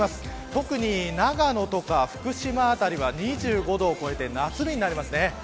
特に長野や福島辺りは２５度を超えて夏日になりますね。